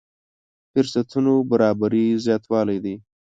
فرصتونو برابري زياتوالی دی.